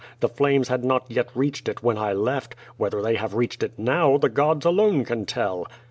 The flames had not yet reached it wlien I left; whether they have reached it now, the gods alone can tell."